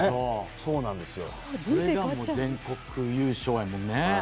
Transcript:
それが全国区優勝やもんね。